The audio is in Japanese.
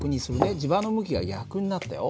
磁場の向きが逆になったよ。